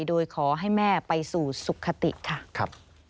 โดยขอให้แม่ไปสู่สุขติค่ะ